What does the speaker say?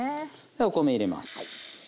お米入れます。